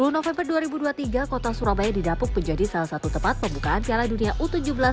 sepuluh november dua ribu dua puluh tiga kota surabaya didapuk menjadi salah satu tempat pembukaan piala dunia u tujuh belas